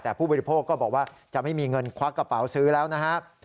แต่ผู้บริโภคก็บอกว่าจะไม่มีเงินควักกระเป๋าซื้อแล้วนะครับ